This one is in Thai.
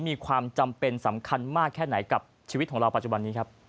มีความจำเป็นสำคัญมากแค่ไหนกับชีวิตของเราปัจจุบันนี้ครับ